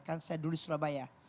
kan saya dulu di surabaya